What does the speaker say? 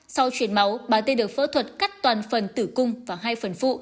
sau chuyển máu bà t được phẫu thuật cắt toàn phần tử cung và hai phần phụ